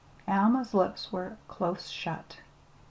Alma's lips were close shut.